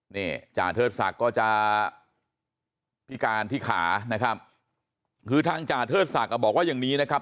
เนี่ยจาเทศสักก็จะพิการที่ขานะครับคือทางจาเทศสักก็บอกว่าอย่างนี้นะครับ